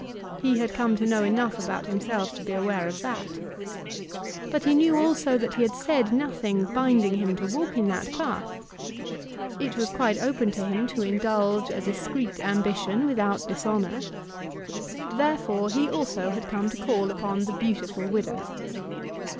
He had come to know enough about himself to be aware of that; but he knew also that he had said nothing binding him to walk in that path. It was quite open to him to indulge a discreet ambition without dishonour. Therefore he also had come to call upon the beautiful widow.